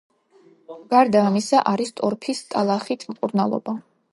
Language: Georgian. გარდა ამისა, არის ტორფის ტალახით მკურნალობა.